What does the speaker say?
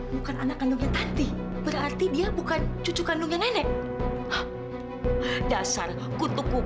pak apa aku bisa kenal sih sama orang kayak gitu